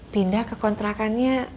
pindah ke kontrakannya